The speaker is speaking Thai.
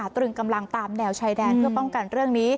ตรึงกำลังตามแนวชายแดนเพื่อป้องกันเรื่องนี้